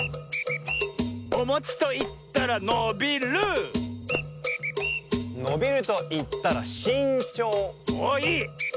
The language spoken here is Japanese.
おもちといったらのびるのびるといったらしんちょうおっいい。